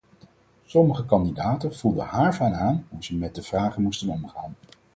Sommige kandidaten voelden haarfijn aan hoe ze met de vragen moesten omgaan.